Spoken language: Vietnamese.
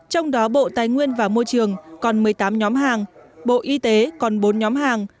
trong đó bộ tài nguyên và môi trường còn một mươi tám nhóm hàng bộ y tế còn bốn nhóm hàng